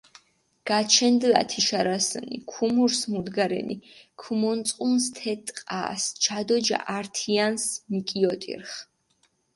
გაჩენდჷ ათე შარასჷნი, ქომურს მუგჷდენი, ქჷმონწყუნსჷ თე ტყასჷ, ჯა დო ჯა ართიანსჷ მიკიოტირხჷ.